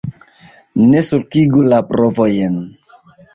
Ne sulkigu la brovojn!